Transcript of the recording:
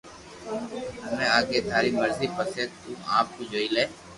ھمي آگي ٿاري مرزي پسي تو آپ جوئي لي